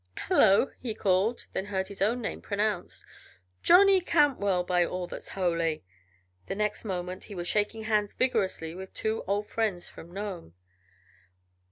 "Hello!" he called, then heard his own name pronounced. "Johnny Cantwell, by all that's holy!" The next moment he was shaking hands vigorously with two old friends from Nome.